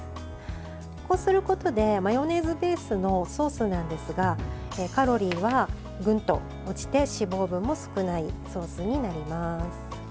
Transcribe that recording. こうすることでマヨネーズベースのソースなんですがカロリーは、ぐんと落ちて脂肪分も少ないソースになります。